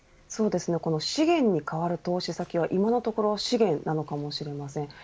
資源に代わる投資先は今のところ資源なのかもしれません。